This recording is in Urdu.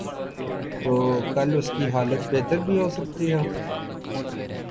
تو کل اس کی حالت بہتر بھی ہو سکتی ہے۔